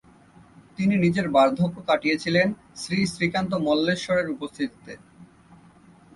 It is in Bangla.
তিনি নিজের বার্ধক্য কাটিয়েছিলেন শ্রীশ্রীকান্ত মল্লেশ্বরের উপস্থিতিতে।